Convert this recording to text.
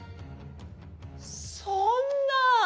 そんな！